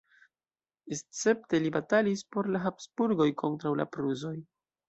Escepte li batalis por la Habsburgoj kontraŭ la prusoj.